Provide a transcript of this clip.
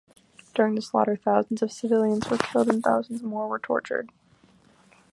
During the slaughter, thousands of civilians were killed and thousands more were tortured.